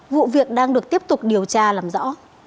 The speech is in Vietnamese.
vụ việc đang được tiếp tục điều tra làm rõ